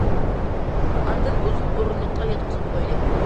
ئاندىن ئۇزۇن ئورۇندۇققا ياتقۇزۇپ قويدى.